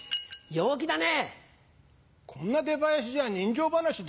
陽気だね！